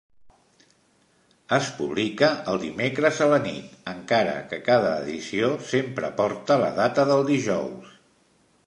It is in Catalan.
Es publica el dimecres a la nit, encara que cada edició sempre porta la data del dijous.